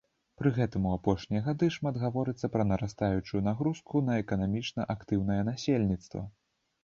Пры гэтым у апошнія гады шмат гаворыцца пра нарастаючую нагрузку на эканамічна актыўнае насельніцтва.